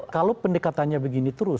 kalau pendekatannya begini terus